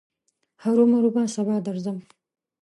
هرو مرو به سبا درځم.